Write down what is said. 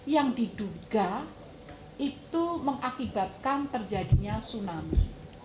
yang diduga itu mengakibatkan terjadinya tsunami